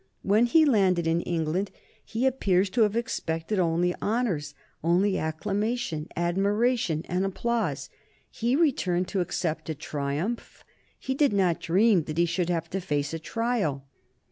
When he landed in England he appears to have expected only honors, only acclamation, admiration, and applause. He returned to accept a triumph; he did not dream that he should have to face a trial.